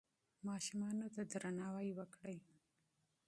ماشومانو ته درناوی وکړئ.